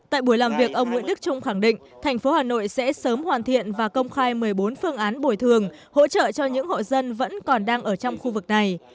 tại buổi làm việc ông nguyễn đức trung khẳng định thành phố hà nội sẽ sớm hoàn thiện và công khai một mươi bốn phương án bồi thường hỗ trợ cho những hộ dân vẫn còn đang ở trong khu vực này